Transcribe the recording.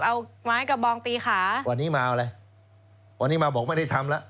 เอาไม้กระบองตีขาวันนี้มาเอาอะไรวันนี้มาบอกไม่ได้ทำแล้ว